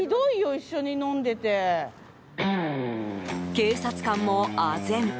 警察官もあぜん。